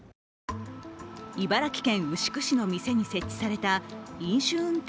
茨城県牛久市の店に設置された飲酒運転